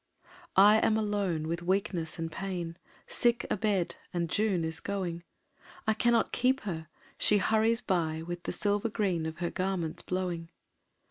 I am alone with Weakness and Pain, Sick abed and June is going, I cannot keep her, she hurries by With the silver green of her garments blowing.